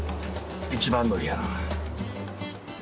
一番乗りやな。